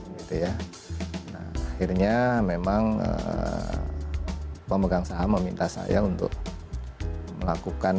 nah akhirnya memang pemegang saham meminta saya untuk melakukan